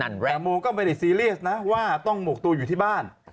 แต่โมงก็ไม่สิริทธิ์นะว่าต้องหมกตัวอยู่ที่บ้าน